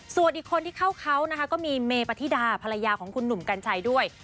ส่วนอีกคนที่เข้าเขานะคะก็มีเมปฏิดาภรรยาของคุณหนุ่มกัญชัยด้วย